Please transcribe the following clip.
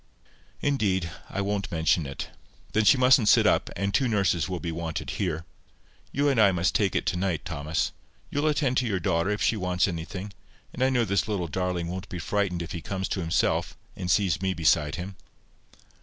"Indeed, I won't mention it.—Then she mustn't sit up, and two nurses will be wanted here. You and I must take it to night, Thomas. You'll attend to your daughter, if she wants anything, and I know this little darling won't be frightened if he comes to himself, and sees me beside him."